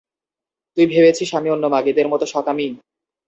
তুমি ভেবেছিস আমি অন্য মাগীদের মতো স্বকামী?